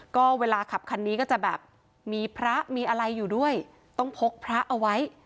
ก็เวลาขับคันนี้ก็จะแบบมีพระมีอะไรอยู่ด้วยต้องพกพระเอาไว้